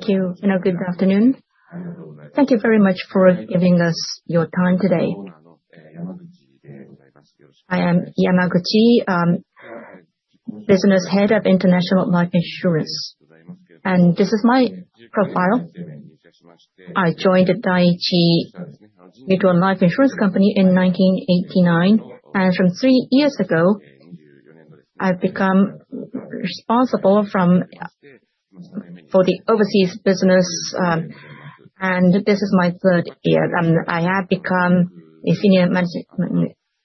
Thank you, good afternoon. Thank you very much for giving us your time today. I am Yamaguchi, Business Head of International Life Insurance. This is my profile. I joined The Dai-ichi Life Insurance Company, Limited in 1989. From three years ago, I have become responsible for the overseas business. This is my third year. I have become a Senior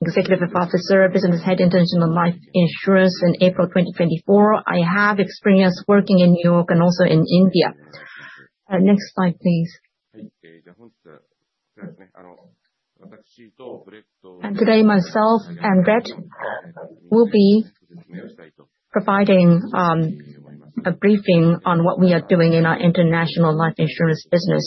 Executive Officer, Business Head, International Life Insurance in April 2024. I have experience working in New York and also in India. Next slide, please. Today, myself and Brett Clark will be providing a briefing on what we are doing in our international life insurance business.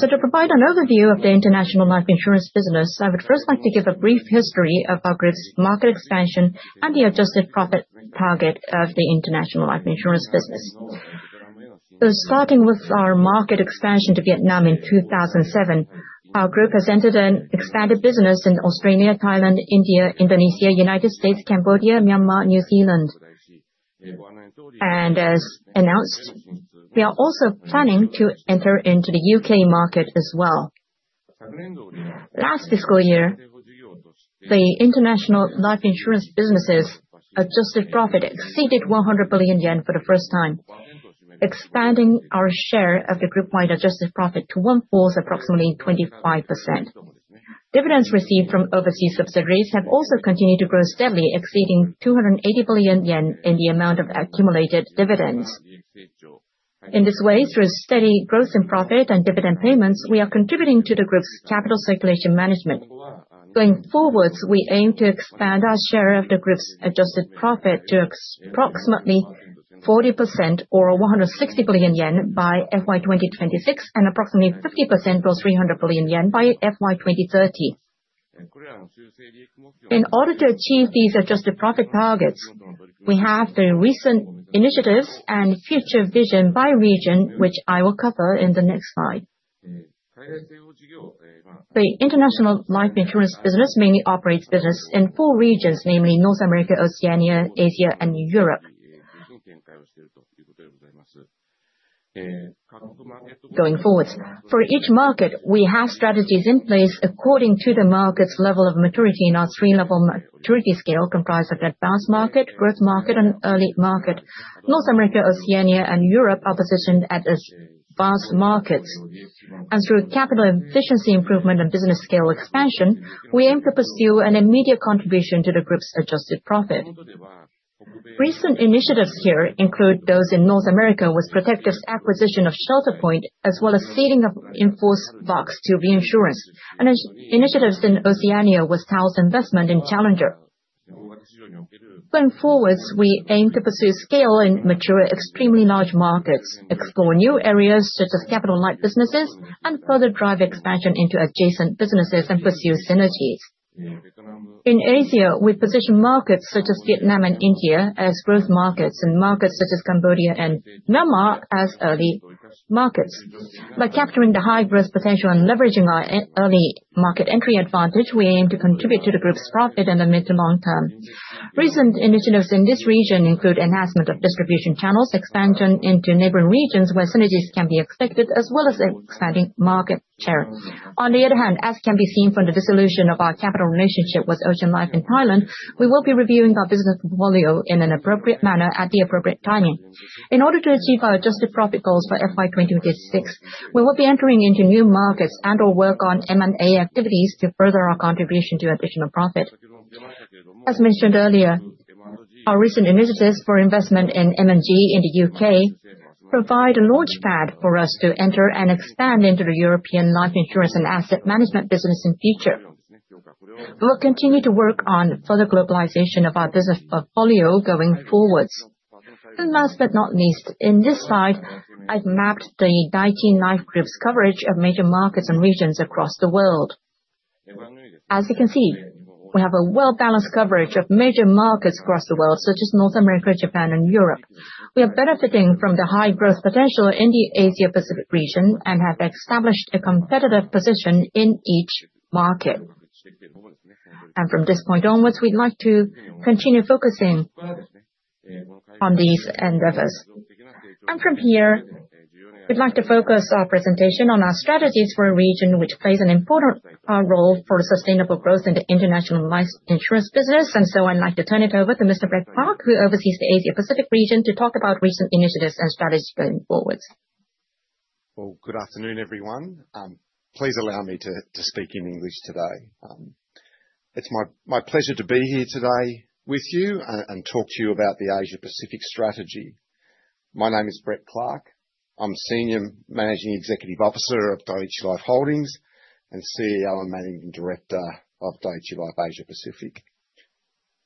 To provide an overview of the international life insurance business, I would first like to give a brief history of our group's market expansion and the adjusted profit target of the international life insurance business. Starting with our market expansion to Vietnam in 2007, our group has entered and expanded business in Australia, Thailand, India, Indonesia, United States, Cambodia, Myanmar, New Zealand. As announced, we are also planning to enter into the UK market as well. Last fiscal year, the international life insurance business' adjusted profit exceeded 100 billion yen for the first time, expanding our share of the group-wide adjusted profit to one-fourth, approximately 25%. Dividends received from overseas subsidiaries have also continued to grow steadily, exceeding 280 billion yen in the amount of accumulated dividends. In this way, through steady growth in profit and dividend payments, we are contributing to the group's capital circulation management. Going forwards, we aim to expand our share of the group's adjusted profit to approximately 40% or 160 billion yen by FY 2026, and approximately 50% or 300 billion yen by FY 2030. In order to achieve these adjusted profit targets, we have the recent initiatives and future vision by region, which I will cover in the next slide. The International Life Insurance business mainly operates business in four regions, namely North America, Oceania, Asia and Europe. Going forwards, for each market, we have strategies in place according to the market's level of maturity in our 3-level maturity scale, comprised of advanced market, growth market and early market. North America, Oceania and Europe are positioned as advanced markets. Through capital efficiency improvement and business scale expansion, we aim to pursue an immediate contribution to the group's adjusted profit. Recent initiatives here include those in North America with Protective's acquisition of Shelter Point, as well as ceding of in-force books to reinsurance. Initiatives in Oceania with TAL's investment in Challenger. Going forwards, we aim to pursue scale in mature, extremely large markets, explore new areas such as capital-light businesses, and further drive expansion into adjacent businesses and pursue synergies. In Asia, we position markets such as Vietnam and India as growth markets, and markets such as Cambodia and Myanmar as early markets. By capturing the high-growth potential and leveraging our early market entry advantage, we aim to contribute to the group's profit in the mid to long term. Recent initiatives in this region include enhancement of distribution channels, expansion into neighboring regions where synergies can be expected, as well as expanding market share. On the other hand, as can be seen from the dissolution of our capital relationship with Ocean Life in Thailand, we will be reviewing our business portfolio in an appropriate manner at the appropriate timing. In order to achieve our adjusted profit goals by FY 2026, we will be entering into new markets and/or work on M&A activities to further our contribution to additional profit. As mentioned earlier, our recent initiatives for investment in M&G in the U.K. provide a launchpad for us to enter and expand into the European life insurance and asset management business in future. We will continue to work on further globalization of our business portfolio going forwards. Last but not least, in this slide, I've mapped the Dai-ichi Life Group's coverage of major markets and regions across the world. As you can see, we have a well-balanced coverage of major markets across the world, such as North America, Japan, and Europe. We are benefiting from the high growth potential in the Asia Pacific region and have established a competitive position in each market. From this point onwards, we'd like to continue focusing further on these endeavors. From here, we'd like to focus our presentation on our strategies for a region which plays an important role for sustainable growth in the international life insurance business. I'd like to turn it over to Mr. Brett Clark, who oversees the Asia Pacific region, to talk about recent initiatives and strategies going forward. Well, good afternoon, everyone. Please allow me to speak in English today. It's my pleasure to be here today with you and talk to you about the Asia Pacific strategy. My name is Brett Clark. I'm Senior Managing Executive Officer of Dai-ichi Life Holdings and CEO and Managing Director of Dai-ichi Life Asia Pacific.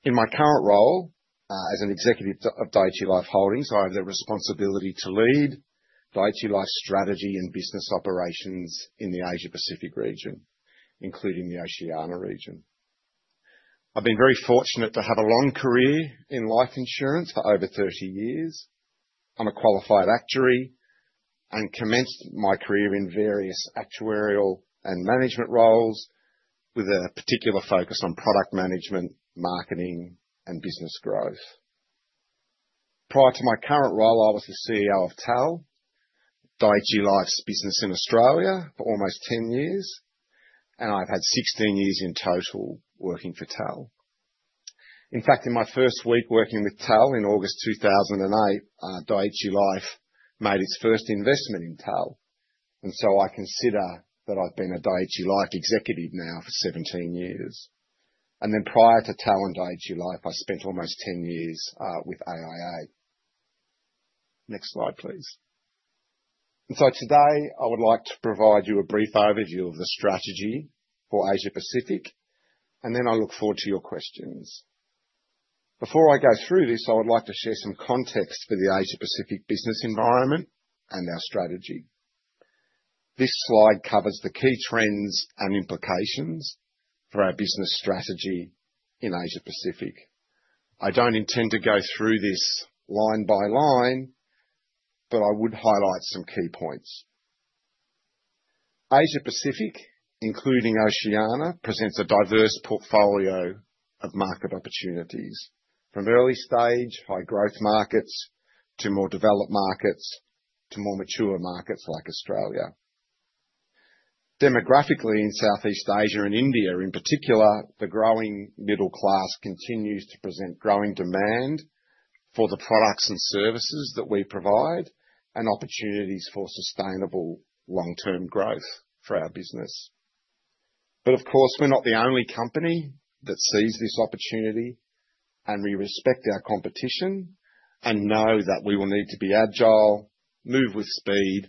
In my current role as an executive of Dai-ichi Life Holdings, I have the responsibility to lead Dai-ichi Life's strategy and business operations in the Asia Pacific region, including the Oceania region. I've been very fortunate to have a long career in life insurance for over 30 years. I'm a qualified actuary and commenced my career in various actuarial and management roles with a particular focus on product management, marketing and business growth. Prior to my current role, I was the CEO of TAL, Dai-ichi Life's business in Australia for almost 10 years, and I've had 16 years in total working for TAL. In fact, in my first week working with TAL in August 2008, Dai-ichi Life made its first investment in TAL, and so I consider that I've been a Dai-ichi Life executive now for 17 years. Prior to TAL and Dai-ichi Life, I spent almost 10 years with AIA. Next slide, please. Today, I would like to provide you a brief overview of the strategy for Asia Pacific, and then I look forward to your questions. Before I go through this, I would like to share some context for the Asia Pacific business environment and our strategy. This slide covers the key trends and implications for our business strategy in Asia Pacific. I don't intend to go through this line by line, but I would highlight some key points. Asia Pacific, including Oceania, presents a diverse portfolio of market opportunities from early stage high growth markets to more developed markets, to more mature markets like Australia. Demographically in Southeast Asia and India in particular, the growing middle class continues to present growing demand for the products and services that we provide and opportunities for sustainable long-term growth for our business. Of course, we're not the only company that sees this opportunity, and we respect our competition and know that we will need to be agile, move with speed,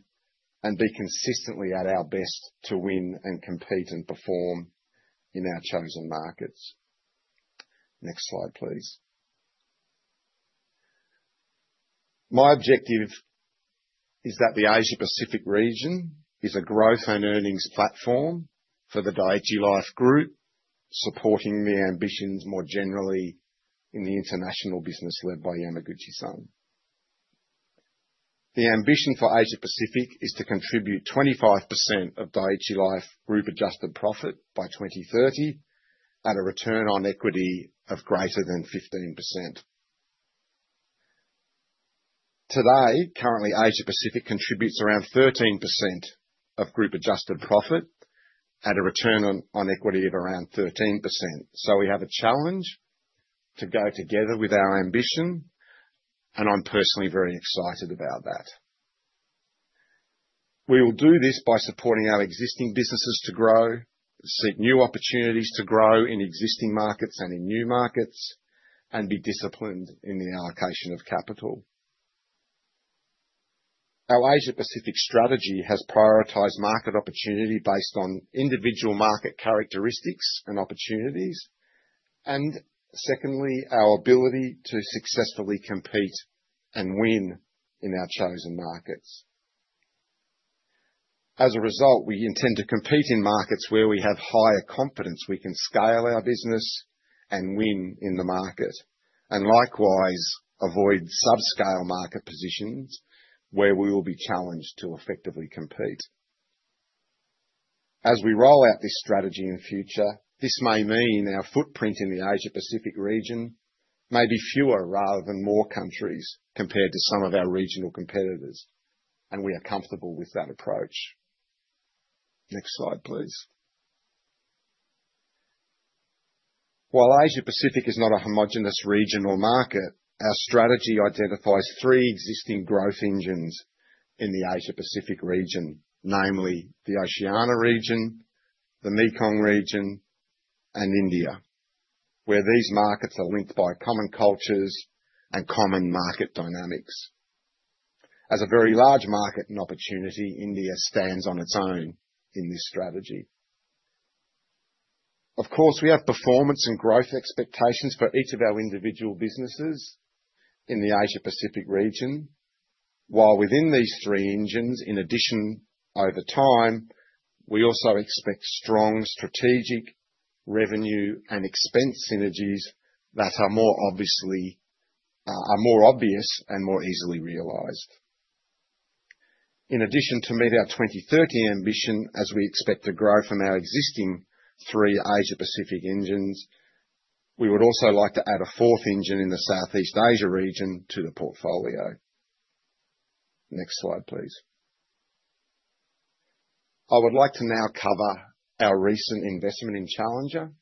and be consistently at our best to win and compete and perform in our chosen markets. Next slide, please. My objective is that the Asia Pacific region is a growth and earnings platform for the Dai-ichi Life Group, supporting the ambitions more generally in the international business led by Yamaguchi San. The ambition for Asia Pacific is to contribute 25% of Dai-ichi Life Group adjusted profit by 2030 at a return on equity of greater than 15%. Today, currently, Asia Pacific contributes around 13% of group adjusted profit at a return on equity of around 13%. We have a challenge to go together with our ambition, and I'm personally very excited about that. We will do this by supporting our existing businesses to grow, seek new opportunities to grow in existing markets and in new markets, and be disciplined in the allocation of capital. Our Asia Pacific strategy has prioritized market opportunity based on individual market characteristics and opportunities, and secondly, our ability to successfully compete and win in our chosen markets. As a result, we intend to compete in markets where we have higher confidence. We can scale our business and win in the market, and likewise avoid subscale market positions where we will be challenged to effectively compete. As we roll out this strategy in future, this may mean our footprint in the Asia Pacific region may be fewer rather than more countries compared to some of our regional competitors, and we are comfortable with that approach. Next slide, please. While Asia Pacific is not a homogenous region or market, our strategy identifies three existing growth engines in the Asia Pacific region, namely the Oceania region, the Mekong region, and India, where these markets are linked by common cultures and common market dynamics. As a very large market and opportunity, India stands on its own in this strategy. Of course, we have performance and growth expectations for each of our individual businesses in the Asia Pacific region. While within these three engines, in addition, over time, we also expect strong strategic revenue and expense synergies that are more obvious and more easily realized. In addition, to meet our 2030 ambition, as we expect to grow from our existing three Asia Pacific engines, we would also like to add a fourth engine in the Southeast Asia region to the portfolio. Next slide, please. I would like to now cover our recent investment in Challenger,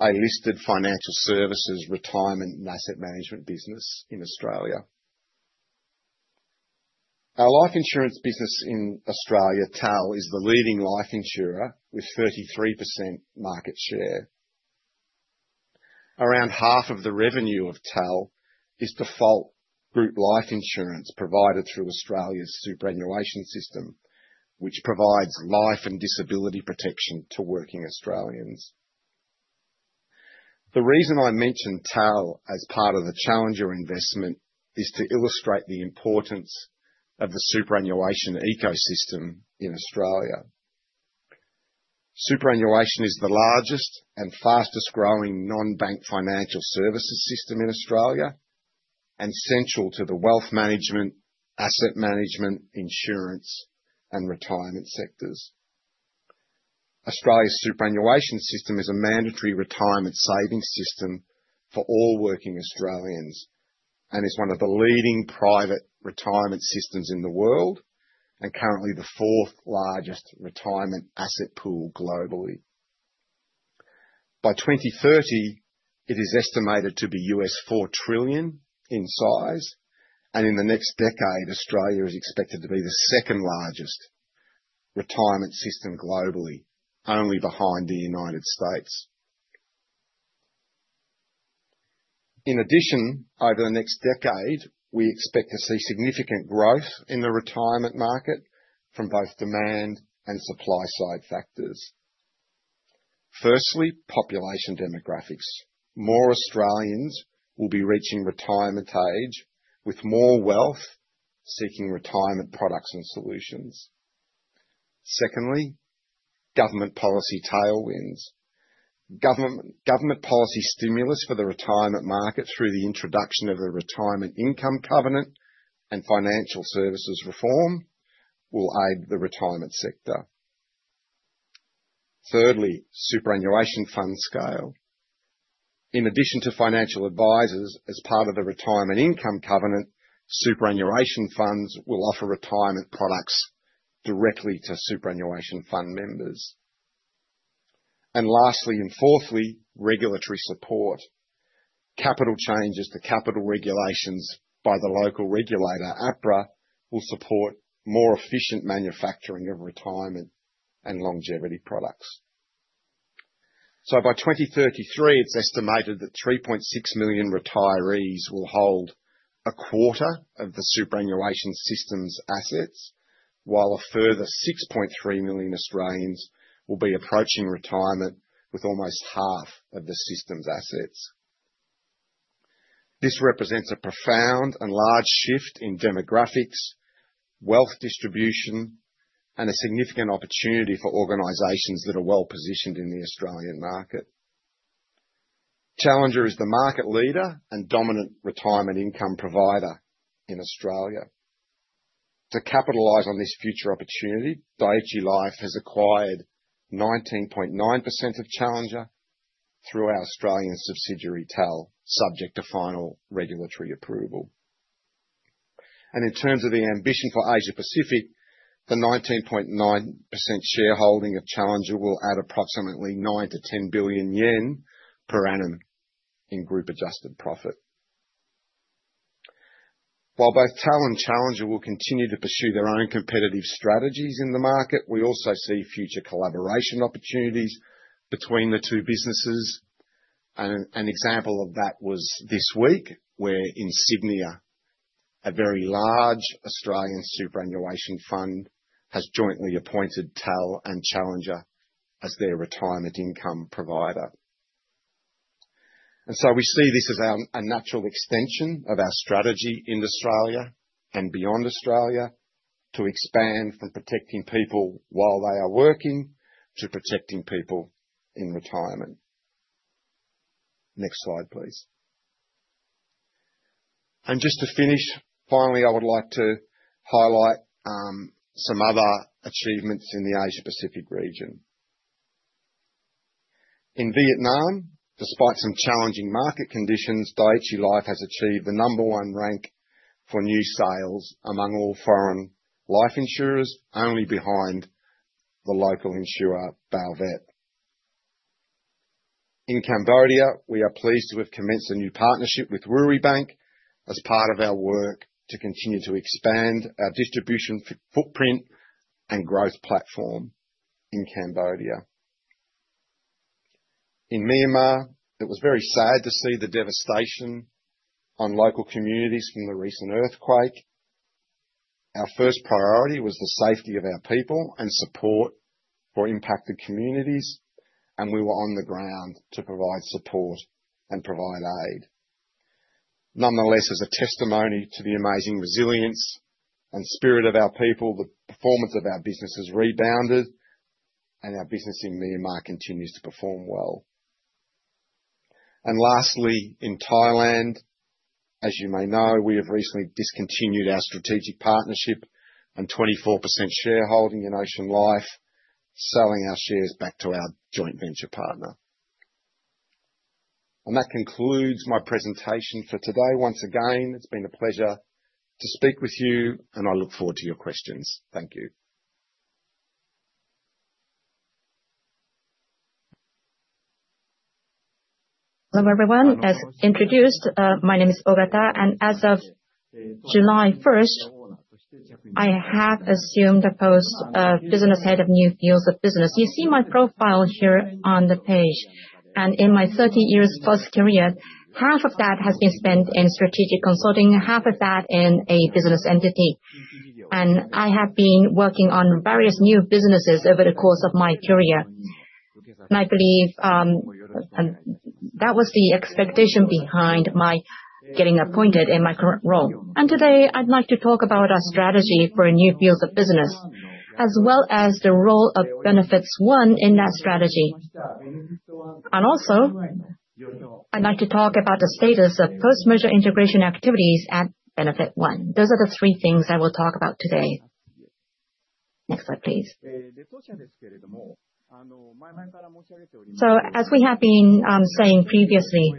a listed financial services retirement and asset management business in Australia. Our life insurance business in Australia, TAL, is the leading life insurer with 33% market share. Around half of the revenue of TAL is default group life insurance provided through Australia's superannuation system, which provides life and disability protection to working Australians. The reason I mention TAL as part of the Challenger investment is to illustrate the importance of the superannuation ecosystem in Australia. Superannuation is the largest and fastest growing non-bank financial services system in Australia, and central to the wealth management, asset management, insurance, and retirement sectors. Australia's superannuation system is a mandatory retirement savings system for all working Australians, and is one of the leading private retirement systems in the world, and currently the fourth largest retirement asset pool globally. By 2030, it is estimated to be US$4 trillion in size, and in the next decade, Australia is expected to be the second-largest retirement system globally, only behind the U.S. In addition, over the next decade, we expect to see significant growth in the retirement market from both demand and supply side factors. Firstly, population demographics. More Australians will be reaching retirement age with more wealth, seeking retirement products and solutions. Secondly, government policy tailwinds. Government policy stimulus for the retirement market through the introduction of a retirement income covenant and financial services reform will aid the retirement sector. Thirdly, superannuation fund scale. In addition to financial advisors, as part of the retirement income covenant, superannuation funds will offer retirement products directly to superannuation fund members. Lastly and fourthly, regulatory support. Capital changes to capital regulations by the local regulator, APRA, will support more efficient manufacturing of retirement and longevity products. By 2033, it's estimated that 3.6 million retirees will hold a quarter of the superannuation system's assets, while a further 6.3 million Australians will be approaching retirement with almost half of the system's assets. This represents a profound and large shift in demographics, wealth distribution, and a significant opportunity for organizations that are well-positioned in the Australian market. Challenger is the market leader and dominant retirement income provider in Australia. To capitalize on this future opportunity, Dai-ichi Life has acquired 19.9% of Challenger through our Australian subsidiary, TAL, subject to final regulatory approval. In terms of the ambition for Asia Pacific, the 19.9% shareholding of Challenger will add approximately 9 billion-10 billion yen per annum in group adjusted profit. While both TAL and Challenger will continue to pursue their own competitive strategies in the market, we also see future collaboration opportunities between the two businesses. An example of that was this week, where Insignia, a very large Australian superannuation fund, has jointly appointed TAL and Challenger as their retirement income provider. We see this as a natural extension of our strategy in Australia and beyond Australia to expand from protecting people while they are working to protecting people in retirement. Next slide, please. Just to finish, finally, I would like to highlight some other achievements in the Asia Pacific region. In Vietnam, despite some challenging market conditions, Dai-ichi Life has achieved the number 1 rank for new sales among all foreign life insurers, only behind the local insurer, Bao Viet. In Cambodia, we are pleased to have commenced a new partnership with Woori Bank as part of our work to continue to expand our distribution footprint and growth platform in Cambodia. In Myanmar, it was very sad to see the devastation on local communities from the recent earthquake. Our first priority was the safety of our people and support for impacted communities, and we were on the ground to provide support and provide aid. Nonetheless, as a testimony to the amazing resilience and spirit of our people, the performance of our business has rebounded, and our business in Myanmar continues to perform well. Lastly, in Thailand, as you may know, we have recently discontinued our strategic partnership and 24% shareholding in Ocean Life, selling our shares back to our joint venture partner. That concludes my presentation for today. Once again, it's been a pleasure to speak with you, and I look forward to your questions. Thank you. Hello, everyone. As introduced, my name is Ogata, and as of July 1st, I have assumed the post of Business Head of New Fields of Business. You see my profile here on the page, and in my 30 years post career, half of that has been spent in strategic consulting, half of that in a business entity. I have been working on various new businesses over the course of my career. I believe that was the expectation behind my getting appointed in my current role. Today, I'd like to talk about our strategy for new fields of business, as well as the role of Benefit One in that strategy. Also, I'd like to talk about the status of post-merger integration activities at Benefit One. Those are the three things I will talk about today. Next slide, please. As we have been saying previously,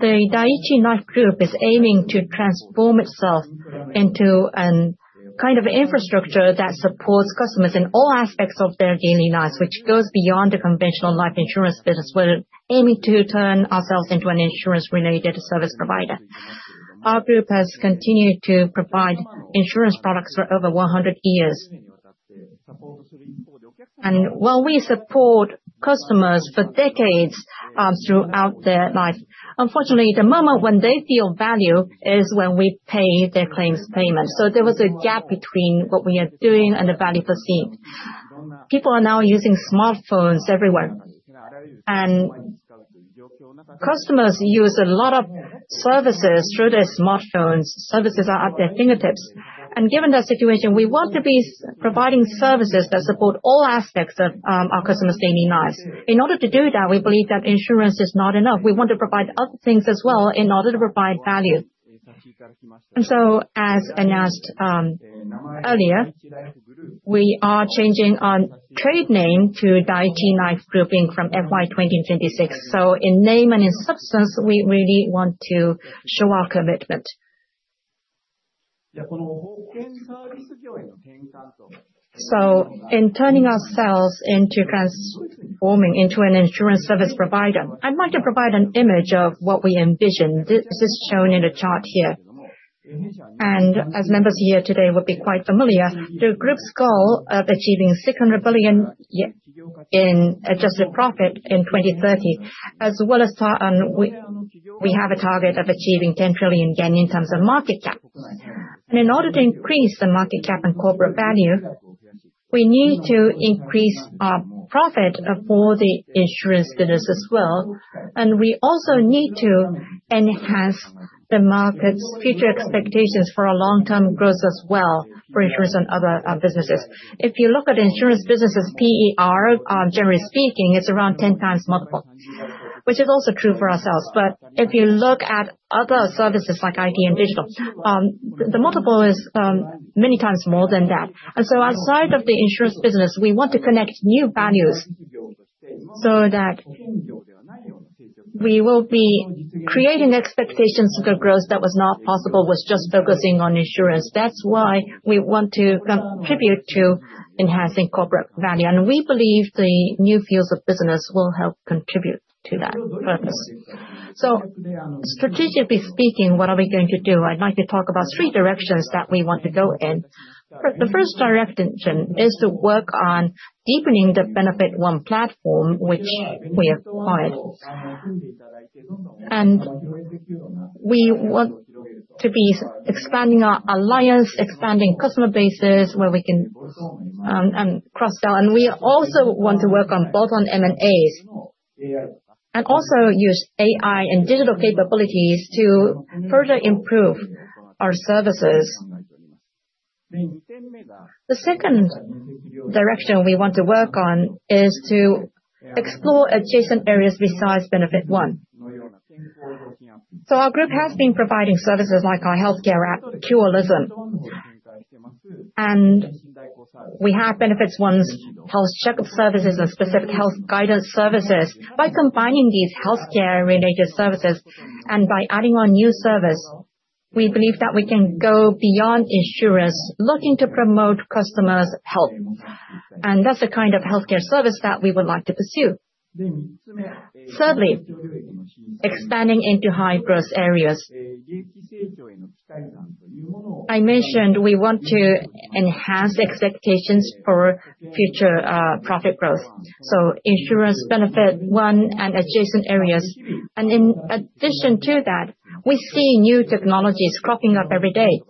the Dai-ichi Life Group is aiming to transform itself into a kind of infrastructure that supports customers in all aspects of their daily lives, which goes beyond the conventional life insurance business. We're aiming to turn ourselves into an insurance-related service provider. Our group has continued to provide insurance products for over 100 years. While we support customers for decades throughout their life, unfortunately, the moment when they feel value is when we pay their claims payment. So there was a gap between what we are doing and the value perceived. People are now using smartphones everywhere. Customers use a lot of services through their smartphones. Services are at their fingertips. Given that situation, we want to be providing services that support all aspects of our customers' daily lives. In order to do that, we believe that insurance is not enough. We want to provide other things as well in order to provide value. As announced earlier, we are changing our trade name to Daiichi Life Group, Inc. from FY 2026. In name and in substance, we really want to show our commitment. In turning ourselves into transforming into an insurance service provider, I'd like to provide an image of what we envision. This is shown in the chart here. As members here today would be quite familiar, the group's goal of achieving 600 billion in adjusted profit in 2030, as well as we have a target of achieving 10 trillion yen in terms of market cap. In order to increase the market cap and corporate value, we need to increase our profit for the insurance business as well. We also need to enhance the market's future expectations for our long-term growth as well for insurance and other businesses. If you look at insurance business' PER, generally speaking, it is around 10 times multiple, which is also true for ourselves. If you look at other services like IT and digital, the multiple is many times more than that. Outside of the insurance business, we want to connect new values so that we will be creating expectations of the growth that was not possible with just focusing on insurance. That is why we want to contribute to enhancing corporate value. We believe the new fields of business will help contribute to that purpose. Strategically speaking, what are we going to do? I'd like to talk about three directions that we want to go in. The first direction is to work on deepening the Benefit One platform, which we acquired. We want to be expanding our alliance, expanding customer bases where we can cross-sell. We also want to work on both M&As and also use AI and digital capabilities to further improve our services. The second direction we want to work on is to explore adjacent areas besides Benefit One. Our group has been providing services like our healthcare app, Qolism. We have Benefit One's health checkup services and specific health guidance services. By combining these healthcare-related services and by adding our new service, we believe that we can go beyond insurance, looking to promote customers' health. That is the kind of healthcare service that we would like to pursue. Thirdly, expanding into high-growth areas. I mentioned we want to enhance expectations for future profit growth. Insurance, Benefit One, and adjacent areas. In addition to that, we see new technologies cropping up every day.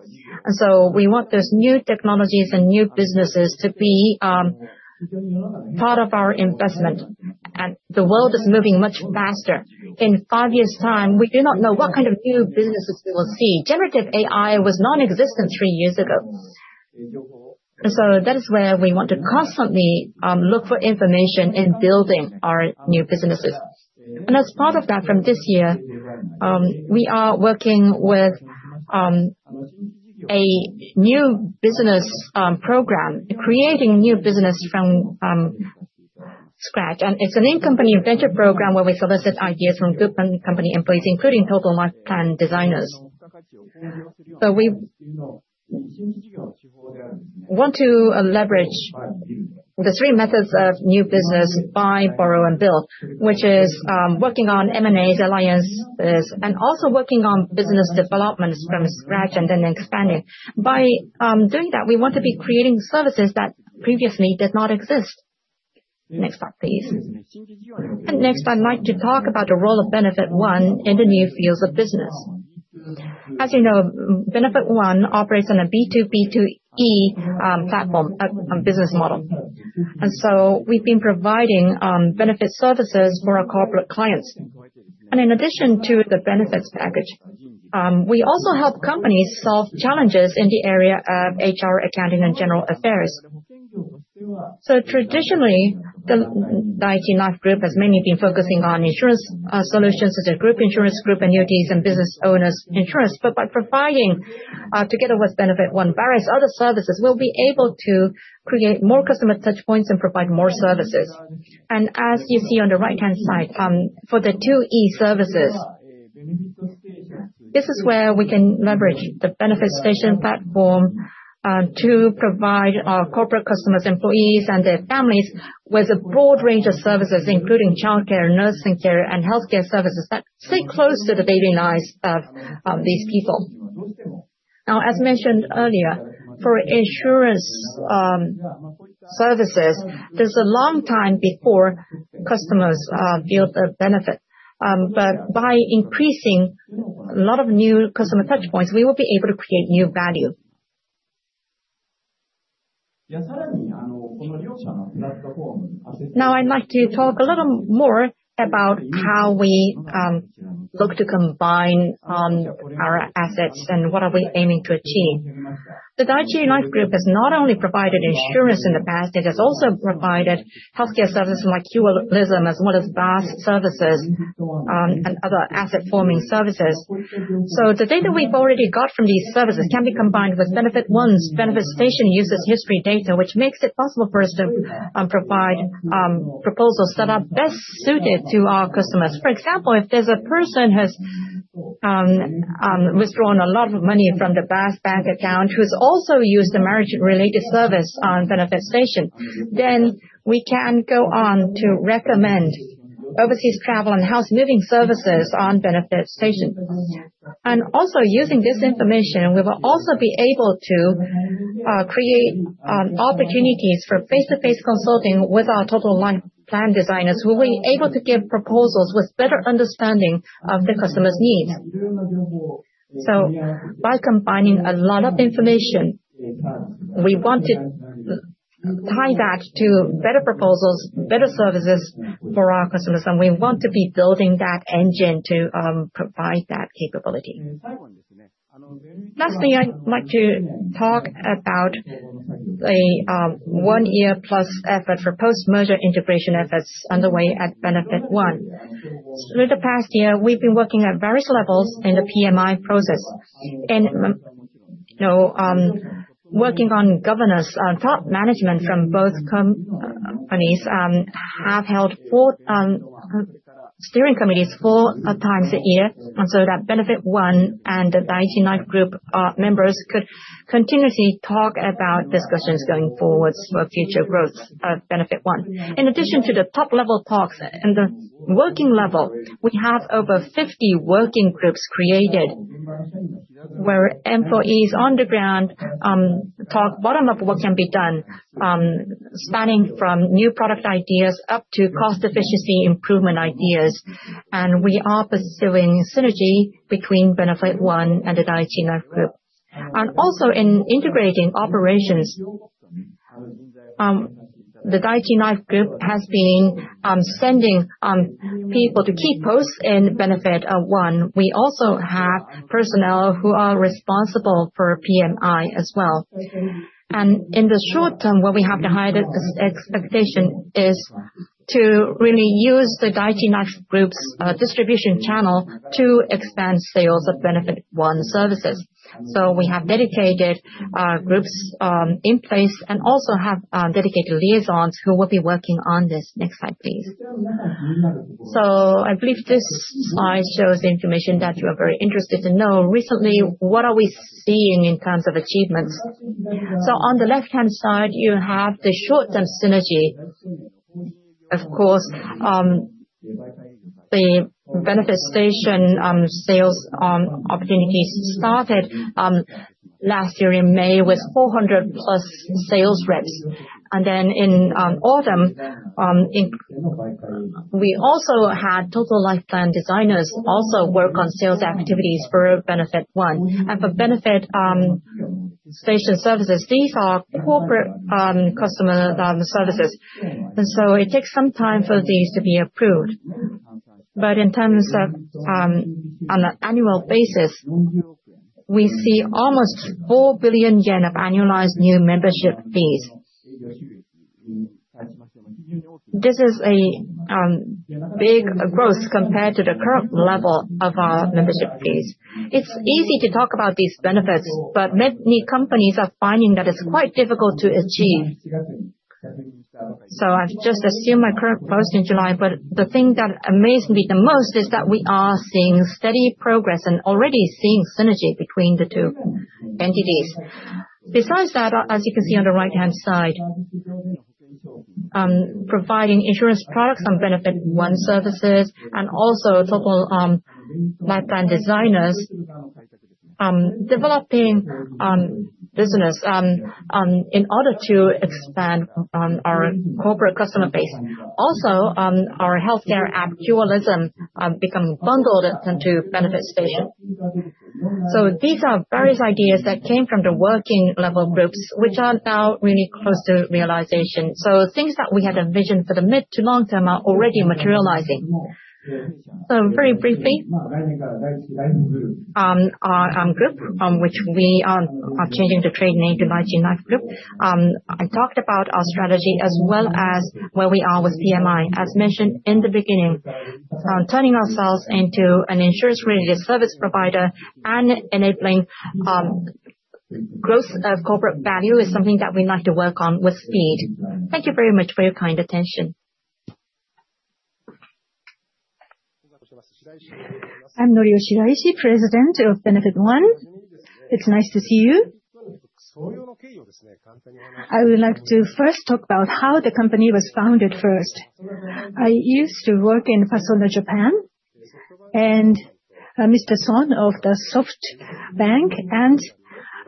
We want those new technologies and new businesses to be part of our investment. The world is moving much faster. In five years' time, we do not know what kind of new businesses we will see. Generative AI was nonexistent three years ago. That is where we want to constantly look for information in building our new businesses. As part of that, from this year, we are working with a new business program, creating new business from scratch. It is an in-company venture program where we solicit ideas from group company employees, including Total Life Plan Designers. We want to leverage the three methods of new business: buy, borrow, and build, which is working on M&As, alliances, and also working on business developments from scratch and then expanding. By doing that, we want to be creating services that previously did not exist. Next slide, please. Next, I'd like to talk about the role of Benefit One in the new fields of business. As you know, Benefit One operates on a B2B2E platform business model. So we've been providing benefit services for our corporate clients. In addition to the benefits package, we also help companies solve challenges in the area of HR, accounting, and general affairs. Traditionally, the Dai-ichi Life Group has mainly been focusing on insurance solutions such as group insurance, group annuities, and business owners insurance. By providing, together with Benefit One, various other services, we'll be able to create more customer touch points and provide more services. As you see on the right-hand side, for the 2E services, this is where we can leverage the Benefit Station platform to provide our corporate customers, employees, and their families with a broad range of services including childcare, nursing care, and healthcare services that stay close to the baby and eyes of these people. As mentioned earlier, for insurance services, there's a long time before customers feel the benefit. By increasing a lot of new customer touch points, we will be able to create new value. I'd like to talk a little more about how we look to combine our assets and what are we aiming to achieve. The Dai-ichi Life Group has not only provided insurance in the past, it has also provided healthcare services like Qolism as one of vast services and other asset-forming services. The data we've already got from these services can be combined with Benefit One's Benefit Station users' history data, which makes it possible for us to provide proposals that are best suited to our customers. For example, if there's a person who has withdrawn a lot of money from the past bank account, who's also used the marriage-related service on Benefit Station, we can go on to recommend overseas travel and house moving services on Benefit Station. Also using this information, we will also be able to create opportunities for face-to-face consulting with our Total Life Plan designers, who will be able to give proposals with better understanding of the customer's needs. By combining a lot of information, we want to tie that to better proposals, better services for our customers, and we want to be building that engine to provide that capability. Last thing I'd like to talk about, a one-year plus effort for post-merger integration efforts underway at Benefit One. Through the past year, we've been working at various levels in the PMI process. Working on governance on top management from both companies have held steering committees four times a year, so that Benefit One and the Dai-ichi Life Group members could continuously talk about discussions going forward for future growth of Benefit One. In addition to the top-level talks, in the working level, we have over 50 working groups created where employees on the ground talk bottom-up what can be done, spanning from new product ideas up to cost efficiency improvement ideas. We are pursuing synergy between Benefit One and the Dai-ichi Life Group. Also in integrating operations, the Dai-ichi Life Group has been sending people to key posts in Benefit One. We also have personnel who are responsible for PMI as well. In the short term, what we have the highest expectation is to really use the Dai-ichi Life Group's distribution channel to expand sales of Benefit One services. We have dedicated groups in place and also have dedicated liaisons who will be working on this. Next slide, please. I believe this slide shows the information that you are very interested to know. Recently, what are we seeing in terms of achievements? On the left-hand side, you have the short-term synergy. Of course, the Benefit Station sales opportunities started last year in May with 400-plus sales reps. In autumn, we also had Total Life Plan Designers also work on sales activities for Benefit One. For Benefit Station services, these are corporate customer services. It takes some time for these to be approved. In terms of on an annual basis, we see almost 4 billion yen of annualized new membership fees. This is a big growth compared to the current level of our membership fees. It's easy to talk about these benefits, but many companies are finding that it's quite difficult to achieve. I've just assumed my current post in July, but the thing that amazed me the most is that we are seeing steady progress and already seeing synergy between the two entities. Besides that, as you can see on the right-hand side, providing insurance products and Benefit One services, and also Total Life Plan Designers developing business in order to expand our corporate customer base. Also, our healthcare app, Qolism, become bundled into Benefit Station. These are various ideas that came from the working level groups, which are now really close to realization. Things that we had a vision for the mid to long term are already materializing. Very briefly, our group, which we are changing the trade name to Daiichi Life Group. I talked about our strategy as well as where we are with PMI. As mentioned in the beginning, turning ourselves into an insurance-related service provider and enabling growth of corporate value is something that we'd like to work on with speed. Thank you very much for your kind attention. I'm Norio Shiraishi, President of Benefit One. It's nice to see you. I would like to first talk about how the company was founded first. I used to work in Pasona Japan, and Mr. Son of SoftBank and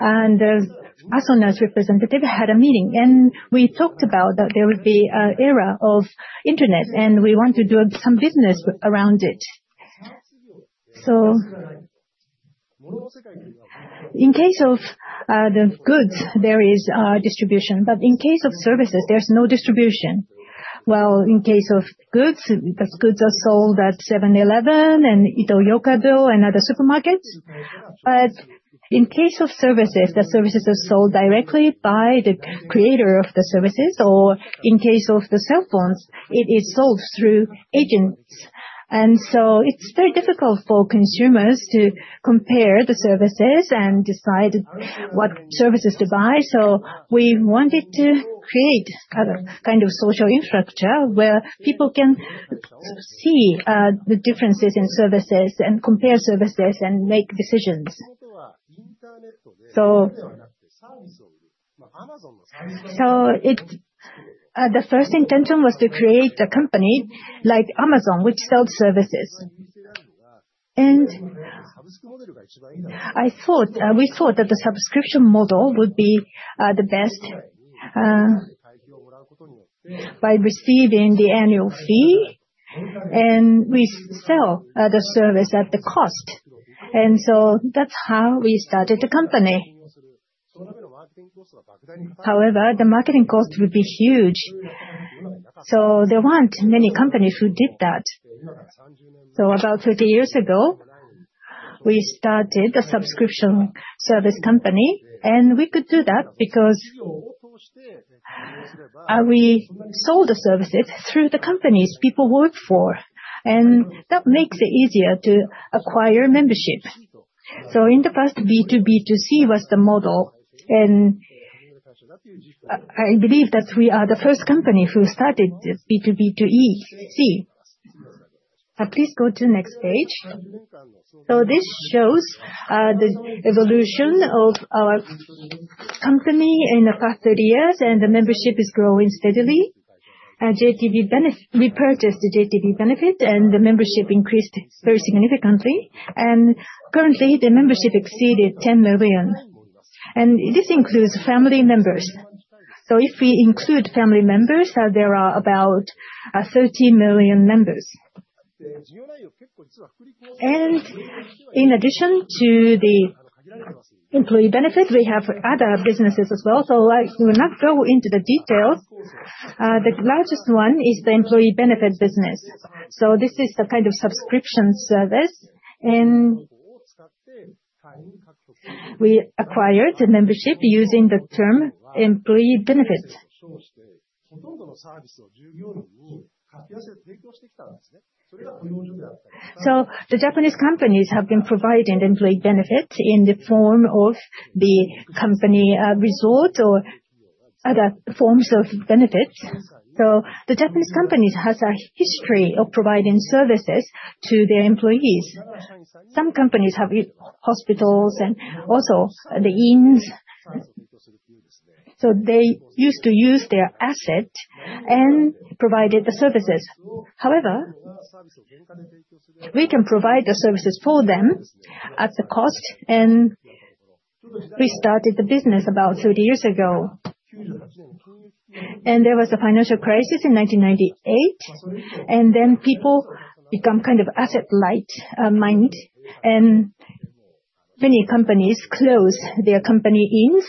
Pasona's representative had a meeting. We talked about that there would be an era of internet, and we want to do some business around it. In case of the goods, there is distribution, but in case of services, there's no distribution. In case of goods, the goods are sold at 7-Eleven and Ito-Yokado and other supermarkets. In case of services, the services are sold directly by the creator of the services, or in case of the cell phones, it is sold through agents. It's very difficult for consumers to compare the services and decide what services to buy. We wanted to create kind of social infrastructure where people can see the differences in services and compare services and make decisions. The first intention was to create a company like Amazon, which sells services. We thought that the subscription model would be the best, by receiving the annual fee, and we sell the service at the cost. That's how we started the company. However, the marketing cost would be huge. There weren't many companies who did that. About 30 years ago, we started a subscription service company, and we could do that because we sold the services through the companies people work for, and that makes it easier to acquire membership. In the past, B2B2C was the model, and I believe that we are the first company who started B2B2EC. Please go to the next page. This shows the evolution of our company in the past 30 years, and the membership is growing steadily. We purchased the JTB Benefit, and the membership increased very significantly. Currently, the membership exceeded 10 million, and this includes family members. If we include family members, there are about 30 million members. In addition to the employee benefit, we have other businesses as well. We will not go into the details. The largest one is the employee benefit business. This is the kind of subscription service, and we acquired the membership using the term employee benefit. The Japanese companies have been providing employee benefits in the form of the company resort or other forms of benefits. The Japanese companies has a history of providing services to their employees. Some companies have hospitals and also the inns. They used to use their asset and provided the services. However, we can provide the services for them at the cost, and we started the business about 30 years ago. There was a financial crisis in 1998, and then people become asset light of mind. Many companies closed their company inns,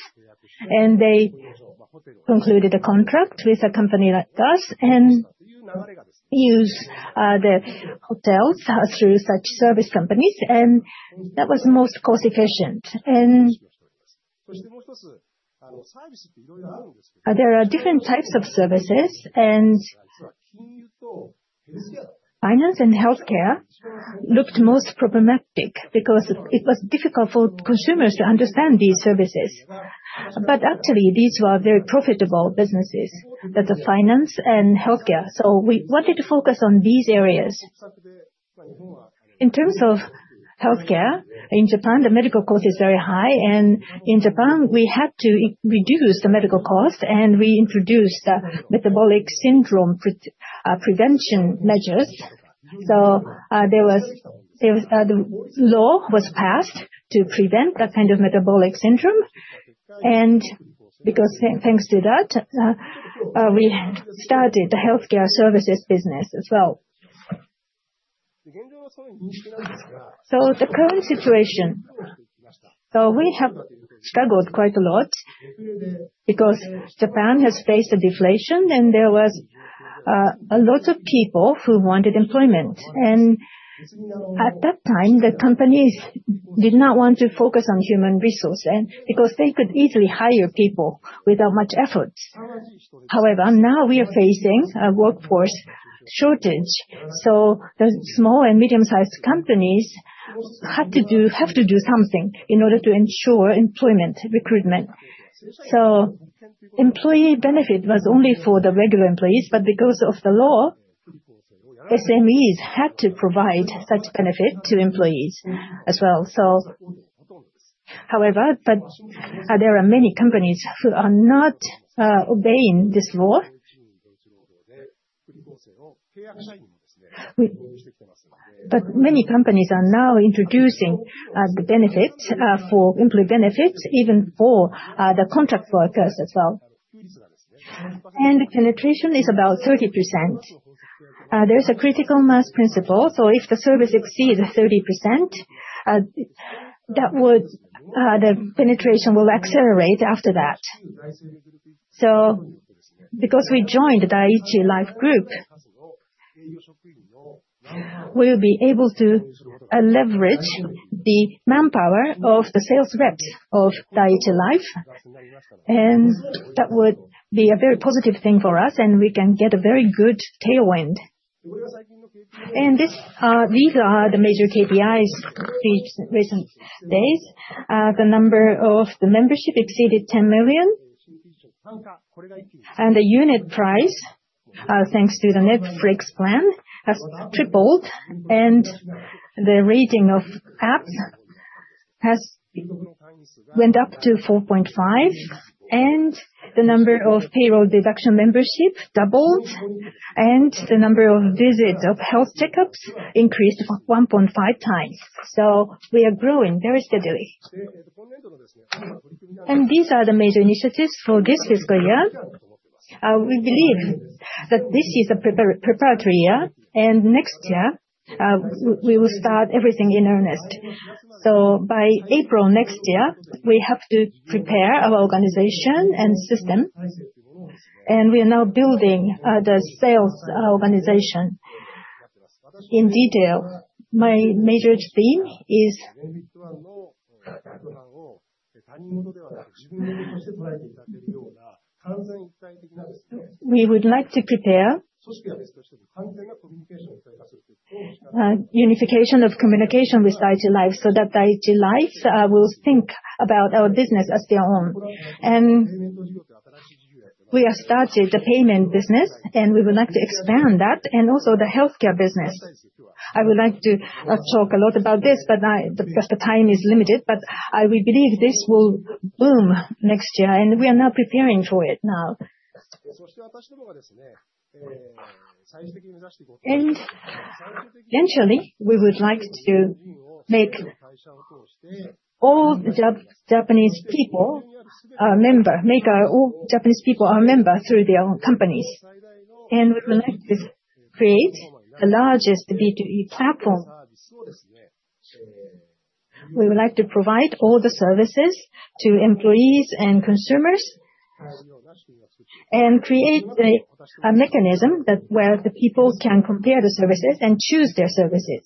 and they concluded a contract with a company like us and use the hotels through such service companies, and that was most cost-efficient. There are different types of services, and finance and healthcare looked most problematic because it was difficult for consumers to understand these services. Actually, these were very profitable businesses, that's the finance and healthcare. We wanted to focus on these areas. In terms of healthcare, in Japan, the medical cost is very high. In Japan, we had to reduce the medical cost, and we introduced metabolic syndrome prevention measures. A law was passed to prevent that kind of metabolic syndrome, and because thanks to that, we started the healthcare services business as well. The current situation, we have struggled quite a lot because Japan has faced deflation and there was a lot of people who wanted employment. At that time, the companies did not want to focus on human resources because they could easily hire people without much effort. However, now we are facing a workforce shortage. The small and medium-sized companies have to do something in order to ensure employment recruitment. Employee benefit was only for the regular employees, but because of the law, SMEs had to provide such benefit to employees as well. However, there are many companies who are not obeying this law. Many companies are now introducing employee benefits even for the contract workers as well. The penetration is about 30%. There is a critical mass principle, if the service exceeds 30%, the penetration will accelerate after that. Because we joined Dai-ichi Life Group, we'll be able to leverage the manpower of the sales reps of Dai-ichi Life, and that would be a very positive thing for us, and we can get a very good tailwind. These are the major KPIs recent days. The number of the membership exceeded 10 million, and the unit price, thanks to the Netflix plan, has tripled, and the rating of apps has went up to 4.5, and the number of payroll deduction membership doubled, and the number of visits of health checkups increased 1.5 times. We are growing very steadily. These are the major initiatives for this fiscal year. We believe that this is a preparatory year, next year, we will start everything in earnest. By April next year, we have to prepare our organization and system, and we are now building the sales organization. In detail, my major theme is, we would like to prepare unification of communication with Dai-ichi Life so that Dai-ichi Life will think about our business as their own. We have started the payment business, and we would like to expand that, also the healthcare business. I would like to talk a lot about this, the time is limited, but we believe this will boom next year and we are now preparing for it now. Eventually, we would like to make all Japanese people our member through their own companies. We would like to create the largest B2B platform. We would like to provide all the services to employees and consumers and create a mechanism where the people can compare the services and choose their services,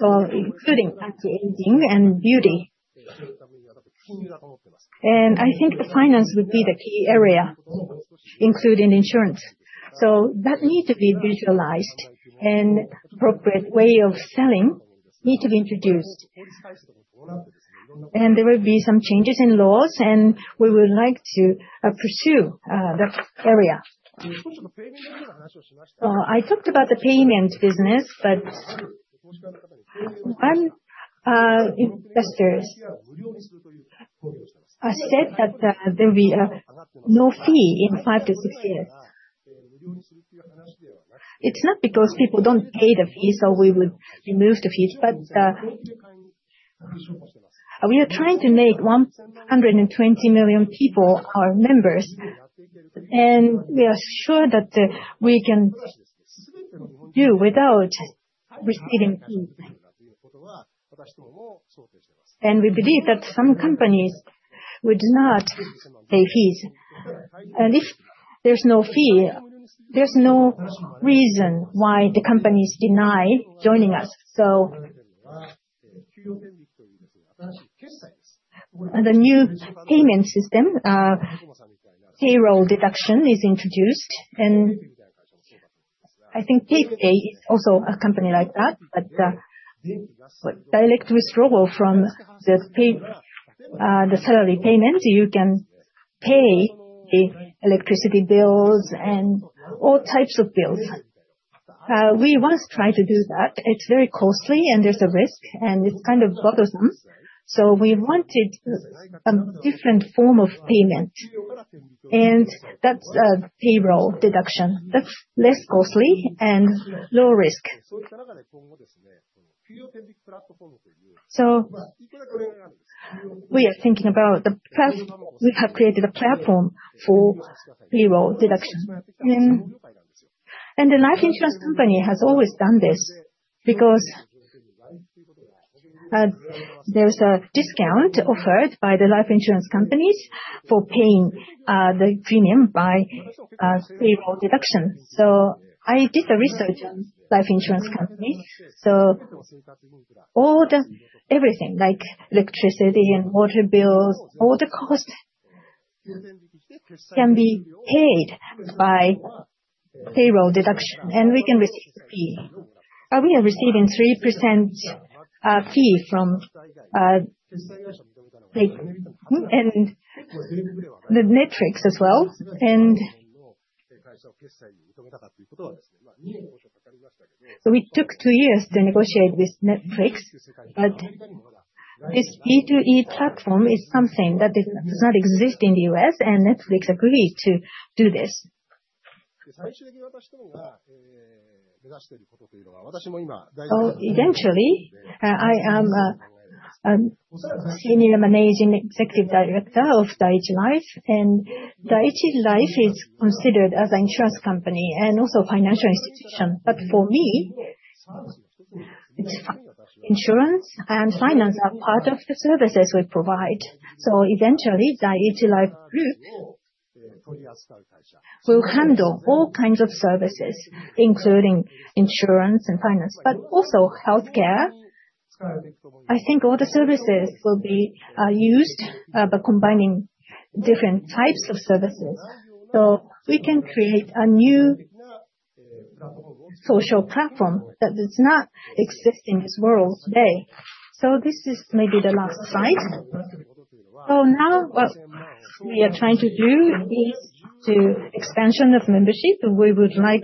including active aging and beauty. I think finance would be the key area, including insurance. That needs to be visualized, and appropriate way of selling needs to be introduced. There will be some changes in laws, and we would like to pursue that area. I talked about the payment business, investors. I said that there will be no fee in five to six years. It's not because people don't pay the fees or we would remove the fees, but we are trying to make 120 million people our members, and we are sure that we can do without receiving fees. We believe that some companies would not pay fees, and if there's no fee, there's no reason why the companies deny joining us. The new payment system, payroll deduction is introduced, I think PayPay is also a company like that, direct withdrawal from the salary payment, you can pay the electricity bills and all types of bills. We once tried to do that. It's very costly, and there's a risk, and it's kind of bothersome. We wanted a different form of payment, and that's a payroll deduction. That's less costly and low risk. We are thinking about the first. We have created a platform for payroll deduction. The life insurance company has always done this, because there's a discount offered by the life insurance companies for paying the premium by payroll deduction. I did the research on life insurance companies. Everything, like electricity and water bills, all the costs can be paid by payroll deduction, and we can receive a fee. We are receiving 3% fee from, the Netflix as well. We took two years to negotiate with Netflix. This B2E platform is something that does not exist in the U.S., and Netflix agreed to do this. Eventually, I am a Senior Managing Executive Director of Dai-ichi Life, and Dai-ichi Life is considered as an insurance company and also financial institution. For me, insurance and finance are part of the services we provide. Eventually, Dai-ichi Life Group will handle all kinds of services, including insurance and finance, but also healthcare. I think all the services will be used by combining different types of services. We can create a new social platform that does not exist in this world today. This is maybe the last slide. Now, what we are trying to do is to expansion of membership, and we would like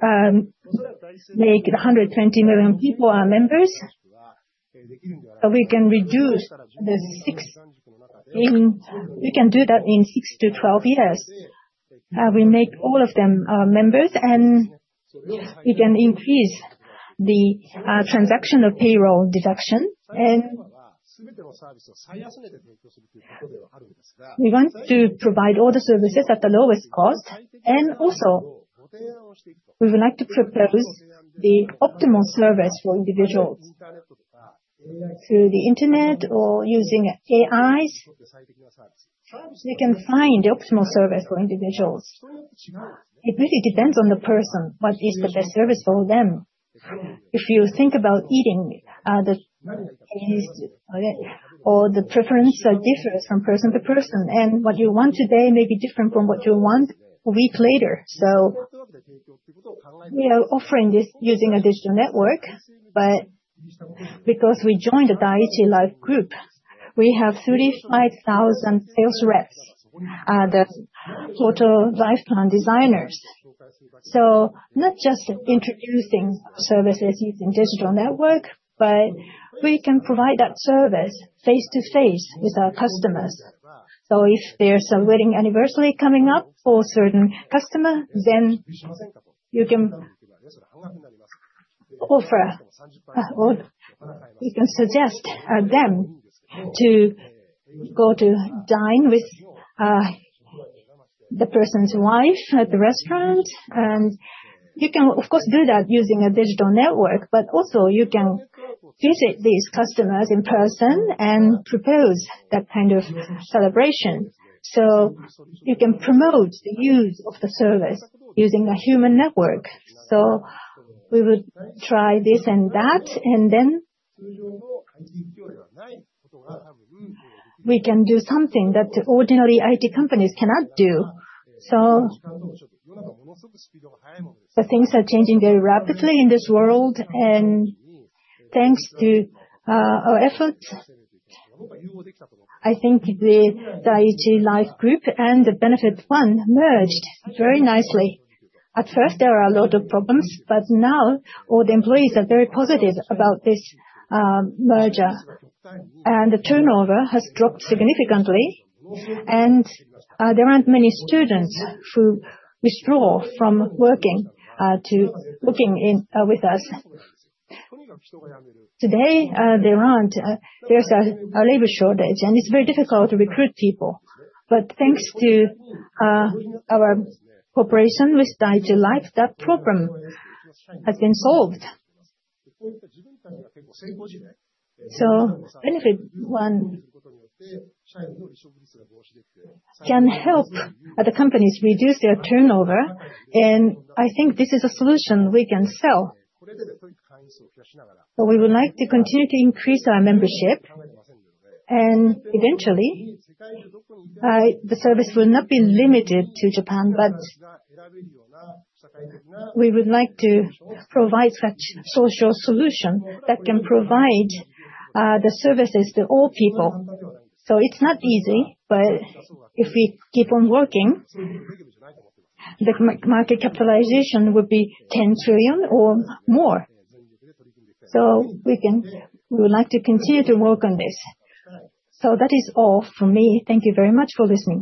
to make 120 million people our members. We can do that in six to 12 years. We make all of them our members, and we can increase the transaction of payroll deduction. We want to provide all the services at the lowest cost, and also, we would like to propose the optimal service for individuals through the internet or using AIs. We can find the optimal service for individuals. It really depends on the person, what is the best service for them. If you think about eating, the preference are different from person to person, and what you want today may be different from what you want a week later. We are offering this using a digital network, but because we joined the Dai-ichi Life Group, we have 35,000 sales reps, the Total Life Plan Designers. Not just introducing services using digital network, but we can provide that service face-to-face with our customers. If there's a wedding anniversary coming up for a certain customer, then you can offer or you can suggest them to go to dine with the person's wife at the restaurant, and you can, of course, do that using a digital network, but also you can visit these customers in person and propose that kind of celebration. You can promote the use of the service using a human network. We would try this and that. We can do something that ordinary IT companies cannot do. The things are changing very rapidly in this world, and thanks to our efforts, I think the Dai-ichi Life Group and the Benefit One merged very nicely. At first, there were a lot of problems, but now all the employees are very positive about this merger, and the turnover has dropped significantly, and there aren't many students who withdraw from working to working in with us. Today, there aren't. There's a labor shortage, and it's very difficult to recruit people. Thanks to our cooperation with Dai-ichi Life, that problem has been solved. Benefit One can help other companies reduce their turnover, and I think this is a solution we can sell. We would like to continue to increase our membership, and eventually, the service will not be limited to Japan, but we would like to provide such social solution that can provide the services to all people. It's not easy, but if we keep on working, the market capitalization would be 10 trillion or more. We would like to continue to work on this. That is all for me. Thank you very much for listening.